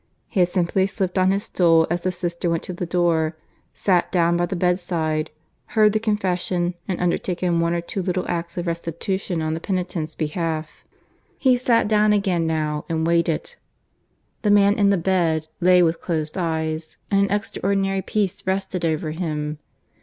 He had simply slipped on his stole as the sister went to the door, sat down by the bedside, heard the confession, and undertaken one or two little acts of restitution on his penitent's behalf. He sat down again now and waited. The man in the bed lay with closed eyes, and an extraordinary peace rested over him.